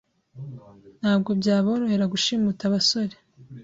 ntabwo byaborohera gushimuta abasore